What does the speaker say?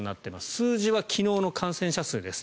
数字は昨日の感染者数です。